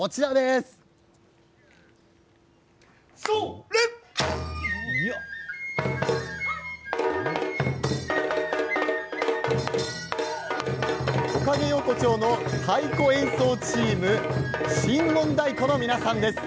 太鼓の音おかげ横丁の太鼓演奏チーム神恩太鼓の皆さんです。